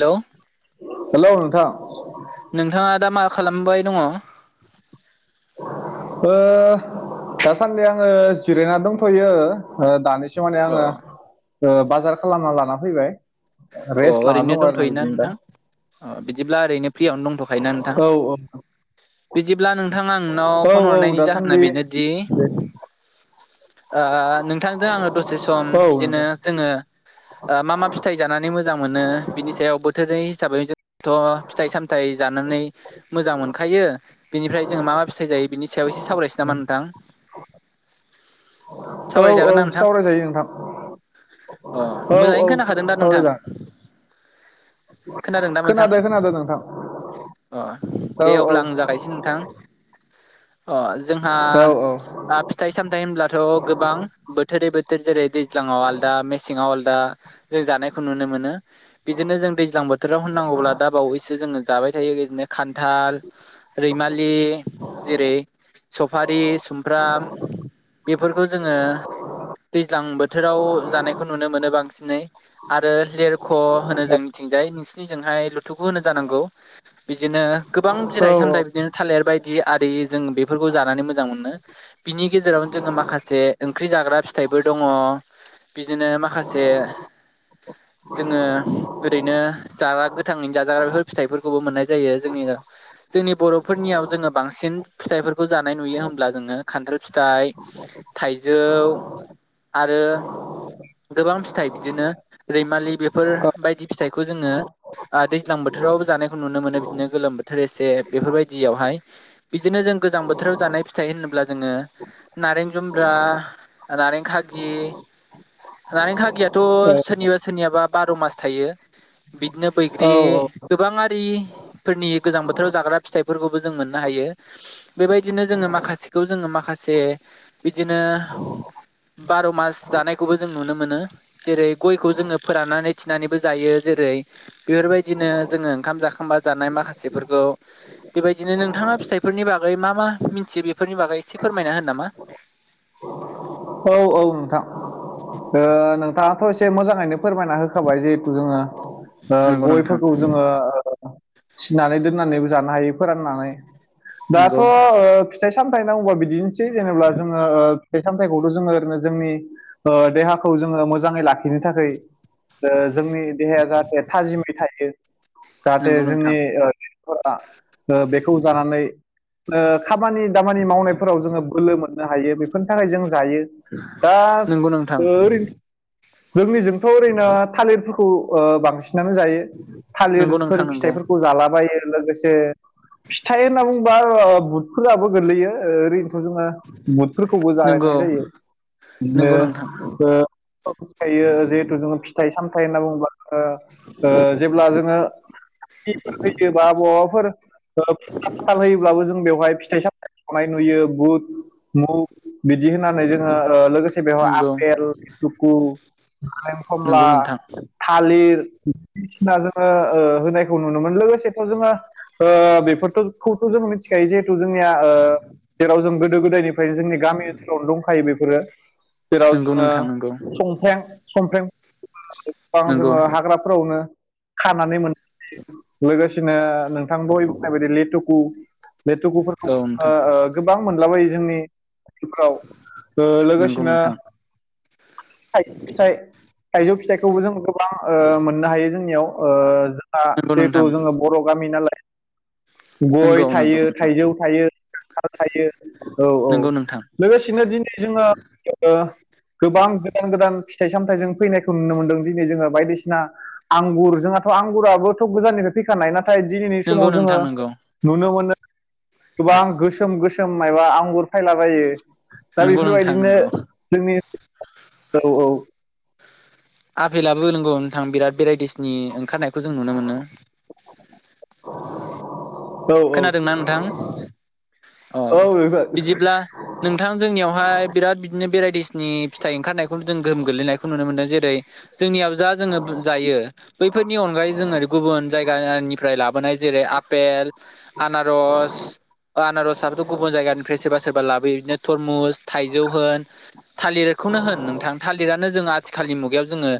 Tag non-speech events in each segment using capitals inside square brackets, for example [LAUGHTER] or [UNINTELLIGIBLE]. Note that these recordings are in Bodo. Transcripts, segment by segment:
हेलौ हेलौ नोंथां नोंथाङा दा मा खालामबाय दङ ओ दासान्दि आङो जिरायना दंथ'यो ओ दानिसो माने आङो अ ओ बाजार खालामना लाना फैबाय रेस लाना ओरैनो दङ आरोना दंथ'योना बिदिनो दा। नोंथां अ बिदिब्ला ओरैनो फ्रियावनो दंथ'खायोना नोंथां। औ औ बिदिब्ला नोंथां आं नोंनाव फन औ औ हरनायनि जाहोना दासान्दि बेनोदि औ ओ नोंथांजों आङो दसे सम बिदिनो नोंथां जोङो ओ मा-मा फिथाइ जानानै मोजां मोनो बिनि सायाव बोथोरै हिसाबै जो थ' फिथाइ सामथाइ जानानै मोजां मोनखायो बेनिफ्राय जोङो मा-मा फिथाइ जायो बिनि सायाव एसे सावरायनोसै औ - औ सावरायजागोन ना नोंथां सावरायजायो नोंथां। अ औ मोजाङैनो खोनाखादों औ दा नोंथां। सावरायजागोन खोनादों दा नोंथां खोनादो - खोनादो नोंथां। अ औ दे अब्ला आं जागायसै नोंथां। अ जोंहा औ फिथाइ सामथाय होनब्लाथ' गोबां बोथोरै बोथोर जेरै दैज्लाङाव आलदा मेसेङाव आलदा जों जानायखौ नुनो मोनो। बिदिनो जों दैज्लां बोथोराव होननांगौब्ला दा बावैसो जोङो जाबाय थायो [UNINTELLIGIBLE] खान्थाल रैमालि जेरै सफारि सुमफ्राम बेफोरखौ जोङो दैज्लां बोथोराव जानायखौ नुनो मोनो बांसिनै। आरो लेरख' होनो जों जोंथिंजाय नोंसिनिजोंहाय लु थुखो होनो जानांगौ बिदिनो गोबां बिराय सामथाय बिदिनो थालिर बायदि आरि जों बेफोरखौ जानानै मोजां मोनो। बिनि गेजेरावनो जोङो माखासे ओंख्रि जाग्रा फिथाइफोर दङ। बिदिनो माखासे जोङो ओरैनो जाग्रा गोथाङैनो जाजाग्रा बेफोर फिथाइफोर खौबो मोननाय जायो जोंनिया जोंनि बर'फोरनियाव जोङो बांसिन फिथाइफोरखौ जानाय नुयो होमब्ला जोङो खान्थाल फिथाइ थाइजौ आरो गोबां फिथाइ बिदिनो रैमालि बेफोर बायदि फिथाइखौ जोङो ओ दैज्लां बोथोरावबो जानायखौ नुनो मोनो बिदिनो गोलोम बोथोर एसे बेफोरबायदियावहाय। बिदिनो जों गोजां बोथोराव जानाय फिथाइ होनब्ला जोङो नारें जुमब्रा नारें खागि नारें खागियाथ' सोरनिबा सोरनियाबा बार' मास थायो। बिदिनो औ बैग्रि गोबांआरि फोरनि गोजां बोथोराव जाग्रा फिथाइफोरखौबो जों मोननो हायो। बेबायदिनो जोङो माखासेखौ जोङो माखासे बिदिनो बार' मास जानायखौबो जों नुनो मोनो। जेरै गयखौ जोङो फोराननानै थिनानैबो जायो जेरै बेफोरबायदिनो जोङो खाम जाखांबा जानाय माखासेफोरखौ बेबायदिनो नोंथाङा फिथाइफोरनि बागै मा-मा मिथियो बेफोरनि बागै इसे फोरमायना होनो नामा। औ - औ नोंथां ओ नोंथाङाथ' एसे मोजाङैनो फोरमायना होखाबाय जेहुथु जोङो ओ नंगौ नोंथां गयफोरखौ जोङो ओ थिनानै दोननानैबो जानो हायो फोराननानै नंगौ दाथ' ओ फिथाइ सामथायाइनांगौबा बिदिनोसै जेनेबा जोङो ओ थायथाम [UNINTELLIGIBLE] खौथ' जोङो ओरैनो जोंनि ओ देहाखौ जोङो मोजाङै लाखिनो थाखाय ओ जोंनि देहाया जाहाथे थाजिमै थायो जाहाथे नंगौ नोंथां जोंनि ओ फोरा ओ बेखौ जानानै ओ खामानि दामानि मावनायफोराव जोङो बोलो मोन नो हायो बेफोरनि थाखाय जों जायो दा नंगौ नोंथां ओरैन जोंनिजोंथ' ओरैनो थालिरफोरखौ ओ बांसिनानो जायो। थालिर नंगौ फोर नोंथां नंगौ फिथाइफोरखौ जालाबायो। लोगोसे फिथाइ होनना बुंबा ओ बुटफोराबो गोलैयो ओ ओरैनोथ' जोङो बुटफोरखौबो जा नंगौ मोननाय जायो नंगौ नोंथां ओ-ओ [UNINTELLIGIBLE] जेहुतु जोङो फि फिथाइ सामथाय होनना बुंबा ओ-ओ जेब्ला जोङो [UNINTELLIGIBLE] बयाफोर [UNINTELLIGIBLE] जों बेवहाय फिथाइ सामथाय खनाय नुयो बुथ मुग बिदि होननानै जोङो ओ लोगोसे बेवहाय नंगौ आपेल पिटुकु नारें खमला नंगौ नोंथां थालिर [UNINTELLIGIBLE] जोङो ओ होनायखौ नुनो मोनोमोन लोगोसेथ' जोङो ओ बेफोरथ' [UNINTELLIGIBLE] जों मिथि जिहेथु जोंनिया ओ जेराव जों गोदो गोदायनिफ्रायनो जोंनि गा [UNINTELLIGIBLE] दंखायो बेफोरो जेराव नंगौ जोङो नोंथां नंगौ संफ्रें संफ्रें गोबां नंगौ जोङो हाग्राफोरावनो खानानै मोन [UNINTELLIGIBLE] लोगोसेनो नोंथां दहाय बुंनाय बायदि लेटुकु लेटुकुफोरखौ औ नोंथां ओ गोबां मोनलाबायो जोंनि [UNINTELLIGIBLE] ओ नंगौ लोगोसेनो नोंथां फिथाइ फिथाइ थाइजौ फिथाइखौबो जों गोबां ओ मोननो हायो जोंनियाव ओ आ नंगौ जिहेथु नोंथां जोङो बर' गामि नालाय गय नंगौ नंगौ थायो नोंथां थाइजौ थायो [UNINTELLIGIBLE] औ औ नंगौ नोंथां लोगोसेनो दिनै जोङो ओ गोबां गोदान गोदान फिथाइ सामथाइजों फैनायखौ नुनो मोनदों दिनै जोङो बायदिसिना आंगुर जोंहाथ' आंगुराबोथ' गोजाननिफाय फैखानाय नाथाय दिनैनि नंगौ समाव जोङो नोंथां नंगौ नुनो मोनो गोबां गोसोम गोसोम माबा आंगुर फायलाबायो दा नंगौ नोंथां बेफोरबायदिनो नंगौ जोंनि औ औ आपेलाबो नोंगौ नोंथां बिराद भेराइटिसनि ओंखारनायखौ जों नुनो मोनो औ खोनादोंना नोंथां अ औ नोंथां बिदिब्ला नोंथां जोंनियावहाय बिराद बिदिनो भेराइटिसनि फिथाइ ओंखारनायखौ जों गोहोम गोग्लैनायखौ नुनो मोन्दों जेरै जोंनियाव जा जोङो जायो बैफोरनि अनगायै जोङो गुबुन जायगानिफ्राय लाबोनाय जेरै आपेल रस आनारसआथ' गुबुन जायगानिफ्राय सोरबा सोरबा लाबोयो बिदिनो तरमुस थाइजौ होन थालिरखौनो होन नोंथां थालिरानो जोङो आथिखालनि मुगायाव जोङो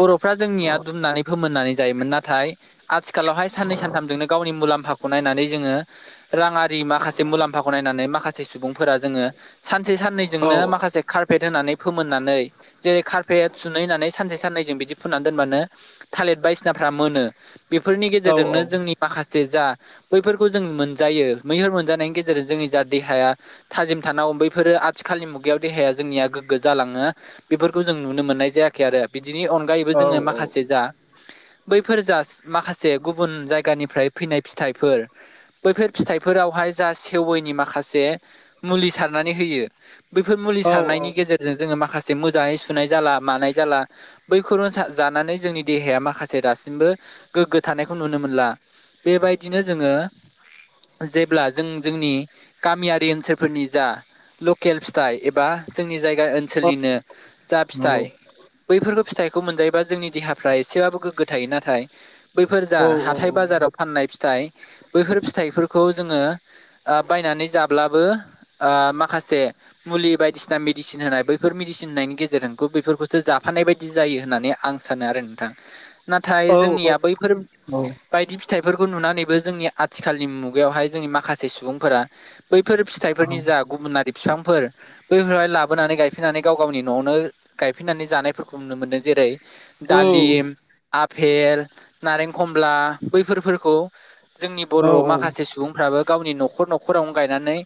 बर'फ्रा जोंनिया दुमनानै फोमोननानै जायोमोन नाथाय आथिखालावहाय साननै सानथामजोंनो गावनि मुलाम्फाखौ नायनानै जोङो राङारि माखासे मुलाम्फाखौ नायनानै माखासे सुबुंफोरा जोङो सानसे औ साननैजोंनो माखासे कारपेट होनानै फोमोननानै जेरै कारफेट सुनै होननानै सानसे साननैजों बिदि फुननानै दोनबानो थालिर बायसिनाफ्रा मोनो बेफोरनि औ गेजेरजोंनो जोंनि माखासे जा बैफोरखौ जों मोनजायो मैहुर मोनजानायनि गेजेरजों जोंनि जा देहाया थाजिम थानांगौ बैफोरो आथिखालनि मुगायाव देहाया जोंनिया गोग्गो जालाङो बेफोरखौ जों नुनो मोननाय जायाखै आरो बिदिनि अनगायैबो जोङो माखासे जा बैफोर जा माखासे गुबुन जायगानिफ्राय फैनाय फिथाइफोर बैफोर फिथाइफोरावहाय जा सेवैनि माखासे मुलि सारनानै होयो बेैफोर मुलि औ औ सारनायनि गेजेर जोङो माखासे मोजाङै सुनाय जाला मानाय जाला बै खनो जानानै जोंनि देहाया माखासे दासिमबो गोग्गो थानायखौ नुनो मोनला बेबायदिनो जोङो जेब्ला जों जोंनि गामियारि ओनसोलफोरनि जा लकेल फिथाइ एबा जोंनि जायगा औ ओनसोलनिनो जा नंगौ फिथाइ बैफोरबो फिथाइखौ मोनजायोबा जोंनि देहा फ्राय इसेबाबो गोग्गो थायो नाथाय बैफोर जा औ औ हाथाय बाजाराव फाननाय फिथाइ बैफोर फिथाइफोरखौ जोङो आ बायनानै जाब्लाबो आ माखासे मुलि बायदिसिना मेडिसिन होनाय बैफोर मेडिसिन होनायनि गेजे [UNINTELLIGIBLE] बेफोरखौसो जाफानाय बायदि जायो होननानै आं सानो आरो नोंथां नाथाय औ जोंनिया बैफोर औ बायदि फिथाइफोरखौ नुनानैबो जोंनिया आथिखालनि मुगायावहाय जोंनि माखासे सुबुंफोरा बैफोर औ फिथाइफोरनि औ जा गुबुना बिफांफोर बैफोरहाय लाबोनानै गायफैनानै गाव गावनि न'आवनो गायफिननानै जानायफोरखौ नुनो मोन्दों जेरै औ दालिम, आफेल, नारेंखमला बैफोरफोरखौ जोंनि औ बर'आव माखासे सुबुं फ्राबो गावनि न'खर न'खरावनो गायनानै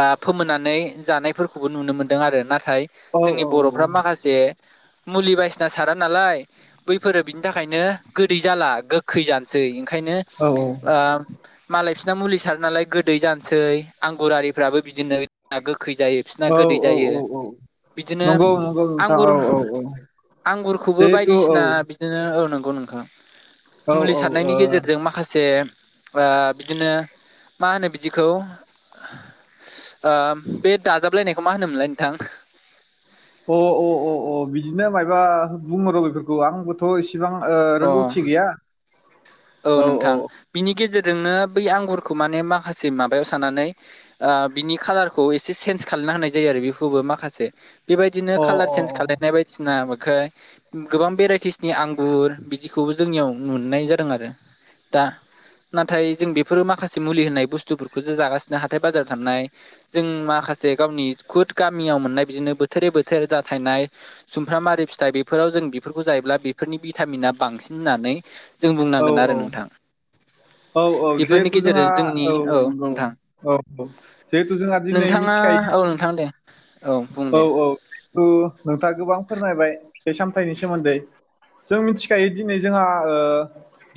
आ फोमोननानै जानायफोरखौबो नुनो मोनदों आरो नाथाय औ जोंनि बर'फ्रा माखासे मुलि बायदिसिना सारा नालाय बैफोरो बिनि थाखायनो गोदै जाला गोखै जानोसै ओंखायनो औ औ। ओ मालाय बिसना मुलि सारो नालाय गोदै जानोसै आंगुरारिफ्राबो बिदिनो ना गोखै जायो बिसिना औ गोदै औ जायो औ औ बिदिनो नंगौ नंगौ नोंथां आंगुर औ औ औ आंगुरखौबो जिहेथु औ बायदिसिना बिदिनो औ नंगौ नोंखौ औ मुलि ओ सारनायनि गेजेरजों अ माखासे बिदिनो मा होनो बिदिखौ बे दाजाबलायनायखौ मा होनोमोनलाय नोंथां? अ अ अ अ बिदिनो मायाबा बुङो र' बेफोरखौ आंबो थ' इसिबां अ रोंगौथि गैया। औ नोंथां बिनि गेजेरजोंनो बै आंगुरखौ माने माखासे माबायाव सानानै बिनि खालारखौ एसे चेन्ज खाना होनाय जायो आरो बेखौबो माखासे बेबायदिनो अ कालार अ चेन्ज खालायनाय बायदिसिना बेखो गोबां भेराइटिसनि आंगुर बिदिखौबो जोंनियाव नुनाय जादों आरो। दा नाथाय जों बेफोरो माखासे मुलि होनाय बुस्थुफोरखौ जो जागासिनो हाथाय बाजाराव थानाय जों माखासे गावनि गुद गामियाव मोननाय बिदिनो बोथोरै बोथोर जाथायनाय सुमफ्राम आरि फिथाइ बेफोराव जों बेफोरखौ जायोब्ला बेफोरनि भिटामिना बांसिन होननानै जों औ बुंनांगोन आरो नोंथां। औ औ बेफोरनि जिहेथु जोंहा गेजेरजों जोंनि औ नंगौ। नोंथां औ औ जिहेथु जोंहा दिनै मिथिखायो थां दे। बुं औ दे औ थु नोंथाङा गोबां फोरमायबाय बे सामथायाइनि सोमोन्दै जों मिथिखायो दिनै जोंहा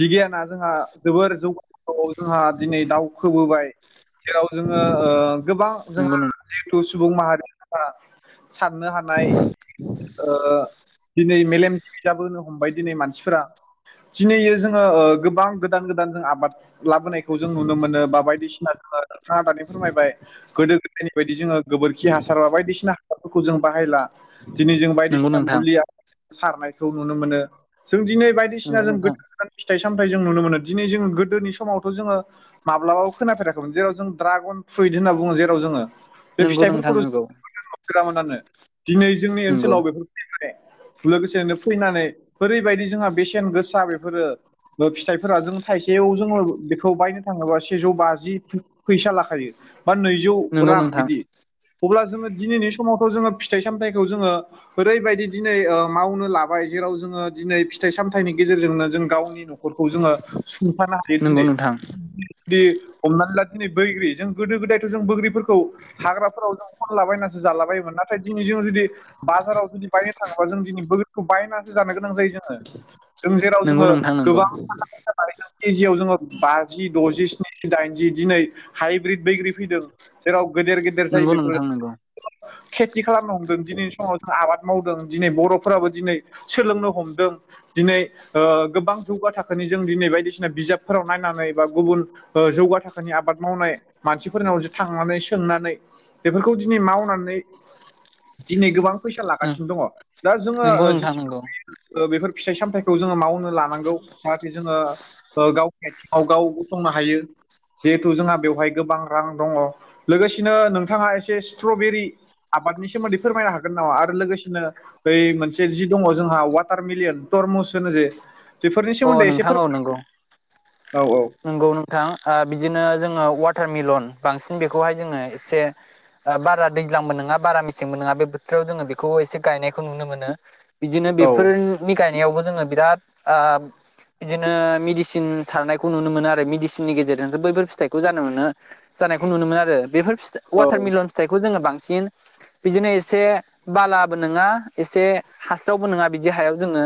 बिगियाना जोंहा जोबोर जौग थ' जोंहा दिनै दाउखोबोबाय जेराव जोङो गोबां नंगौ जोंहा जिथु सुबुं माहारिफरा साननो हानाय दिनै मेलेम जशजाबोनो हमबाय दिनै मानसिफोरा। दिनैयो जोङो गोबां गोदान गोदान जों आबाद लाबोनायखौ जों नुनो मोनो बा बायदिसिना जोङो दानि फोरमायबाय गोदो गोदायनि बायदि जोङो गोबोरखि हासार बा बायदिसिना फोरखौ जों बाहायला दिनै जों नंगौ बायदिसिना नोंथां मुलिया सारनायखौ नुनो मोनो जों दिनै बायदिसिना नंगौ जों नोंथां गोदो [INAUDIBLE] फिथाइ सामथाय जों नुनो मोनो दिनै जों गोदोनि समावथ' जोङो माब्लाबाबो खोनाफेराखैमोन जेराव जों दड्रागन फ्रुइट होनना बुङो जेराव जोङो बे नंगौ नोंथां फिथफोरखौथ' नंगौ हगोरामोनानो दिनै जोंनि नंगौ ओनसोलाव बेफोर लोगोसेनो फैनानै ओरैबायदि जोंहा बेसेन गोसा बेफोरो। फिथाइफोरा जों थाइसेयाव जोङो बेखौ बायनो थाङोबा सेजौ बाजि फैसा लाखायो बा नैजौ नंगौ रां नोंथां बिदि। अब्ला जोङो दिनैनि समावथ' जोङो फिथाइ सामथायाइखौ जोङो ओरैबायदि दिनै मावनो लाबाय जेराव जोङो दिनै फिथाइ सामथायाइनि गेजेरजोंनो जों गावनि न'खखौ जोङो सुंथानो नंगौ दिनै नोंथां जुदि हमनानै ला दिनै बैग्रि जों गोदो गोदायथ' जों बग्रिफोरखौ खौ हाग्राफोराव जों अनलाबायनासो जालाबायोमोन नाथाय दिनै जों जुदि बाजाराव जुदि बायनो थाङोबा जों दिनै बोग्रिखौ बायनासो जानो गोनां जायो जों जों जेराव नंगौ जोङो नोंथां नंगौ गोबां [UNINTELLIGIBLE] [INAUDIBLE] केजियाव जोङो बाजि द'जि, स्निजि, दाइनजि दिनै हाइब्रिद बैग्रि फैदों जेराव गेदेर गेदेर जायो नंगौ बेफोर नोंथां नंगौ खेथि खालामनो हमदों दिनैनि समाव जों आबाद मावदों। दिनै बर'फोराबो दिनै सोलोंनो हमदों। दिनै गोबां जौगा थाखोनि जों दिनै बायदिसिना बिजाबफोराव नायनानै बा गुबुन जौगा थाखोनि आबाद मावनाय मानसिफोरनाव थांनानै सोंनानै बेफोरखौ दिनै मावनानै दिनै गोबां फैसा लागासिनो दङ दा जोङो नंगौ जि नोंथां नंगौ बेफोर फिथाइ सामथायाइखौ जोङो मावनो लानांगौ जाहाथे जोङो ओ गावनि आथिङाव गाव गसंनो हायो। जिहेथु जोंहा बेवहाय गोबां रां दङ लोगोसेनो नोंथाङा एसे स्ट्रबेरि आबादनि सोमोन्दै फोरमायनो हागोन नामा आरो लोगोसेनो बै मोनसे जि दङ जोंहा वाटार मिलियन टरमुस होनो जे। बेफोरनि अ सोमोन्दै एसे फोरमाय औ औ। नोंगौ नोंथां ओ बिदिनो जोङो वाटार मिलन बांसिन बेखौहाय जोङो एसे बारा दैज्लांबो नङा बारा मेसेंबो नङा बे बोथोराव जोङो बेखौ एसे गायनायखौ नुनो मोनो। बिदिनो औ बेफोर बि गायनायावबो जोङो बिराद ओ बिदिनो मेडिसिन सारनायखौ नुनो मोनो आरो, मेडिसिननि गेजेरजों बैफोर फिथाइखौ जानोमोनो जानायखौ नुनो मोनो आरो। बेफोर फिथा वाटारमिलन फिथाइखौ जोङो बांसिन बिदिनो एसे बालाबो नङा एसे हास्रावबो नङा बिदि हायाव जोङो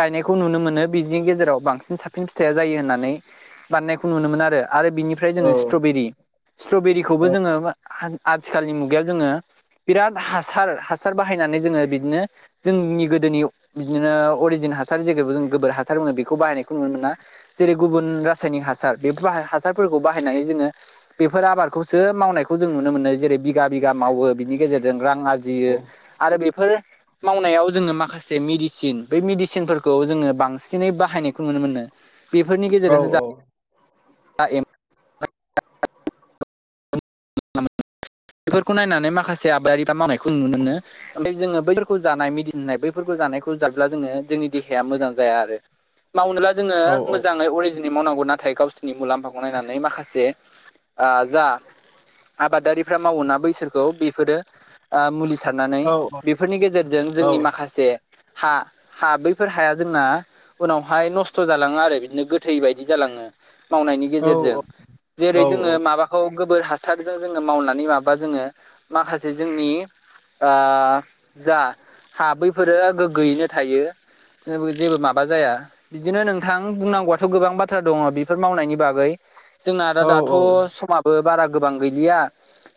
गायनायखौ नुनो मोनो, बि बिनि गेजेराव बांसिन साबसिन फिथाइया जायो होननानै बानायनायखौ नुनो मोन आरो आरो बिनिफ्राय औ जोङो स्ट्रबेरि स्ट्रबेरिखौबो जोङो आथिखालनि मुगायाव जोङो बिराद हासार हासार बाहायनानै जोङो बिदिनो जोंनि गोदोनि बिदिनो अरिजिन हासार जे जों गोबोर हासार बुङो बेखौ बाहायनायखौ नुनो मोना जेरै गुबुन रासायनिक हासार बे बाहाय हासारफोरखौ बाहायनानै जोङो बेफोर आबादखौसो मावनायखौ जों नुनो मोनो जेरै बिगा बिगा मावो बिनि गेजेरजों रां आर जियो आरो बेफोर मावनायाव जोङो माखासे मेडिसिन बै मेडिसिनफोरखौ जोङो बांसिनै बाहायनायखौ नुनो मोनो। बेफोरनि औ गेजेरजों जा [UNINTELLIGIBLE] बेफोरखौ नायनानै माखासे आबादारिफ्रा मावनायखौ नुनो मोनो। ओमफ्राय जोङो बैफोरखौ जानाय मेदिसिन होनाय बैफोरखौ जानायखौ जायोब्ला जोङो जोंनि देहाया मोजां जाया आरो। मावनोब्ला जोङो औ मोजाङै अरिजिन मावनांगौ नाथाय गावसोरनि मुलाम्फाखौ नायनानै माखासे ओ जा आबादारिफ्रा मावो ना बैसोरखौ बेफोरो ओ मुलि सारनानै औ बेफोरनि गेजेरजों जोंनि माखासे हा हा बैफोर हाया जोंना उनावहाय नस्थ' जालाङो आरो बिदिनो गोथै बायदि जालाङो। मावनायनि औ गेजेरजों औ जेरै जोङो माबा गोबोर हासारजों जोङो मावनानै माबा जोङो माखासे जोंनि ओ जा हा बैफोरो गोग्गोयैनो थायो। जेबो माबा जाया। बिदिनो नोंथां बुंनांगौआथ' गोबां बाथ्रा दङ बेफोर मावनायनि बागै। जोंना दा औ दाथ' समाबो बारा गोबां गैलिया।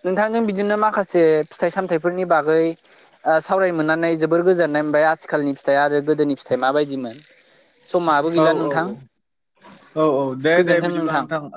नोंथांजों बिदिनो माखासे फिथाइ सामथायफोरनि बागै ओ सावराय मोननानै जोबोर गोजोननाय ओमफ्राय आथिखालनि फिथाइ आरो गोदोनि फिथाइ माबायदिमोन। समाबो गैला औ औ नोंथां, औ औ दे दे गोजोनथों बिदिब्ला नोंथां। ओ